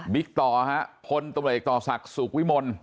ต่อฮะพลตำรวจเอกต่อศักดิ์สุขวิมล